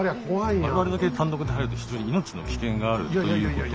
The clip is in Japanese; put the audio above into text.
我々だけ単独で入ると非常に命の危険があるということで。